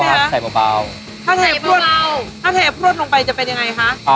ถ้าแถพรวดลงไปจะเป็นยังไงคะ